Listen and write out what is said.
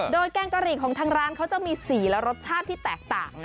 โดยแกงกะหรี่ของทางร้านเขาจะมีสีและรสชาติที่แตกต่าง